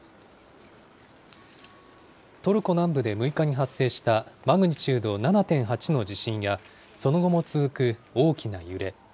トルコ南部で６日に発生したマグニチュード７．８の地震や、その後も続く大きな揺れ。